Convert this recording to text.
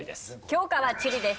教科は地理です。